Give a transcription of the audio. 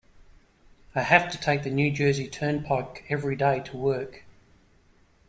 I have to take the New Jersey Turnpike every day to work.